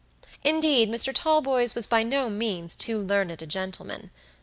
Indeed, Mr. Talboys was by no means too learned a gentleman.